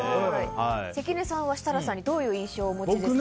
関根さんは設楽さんにどういう印象をお持ちですか。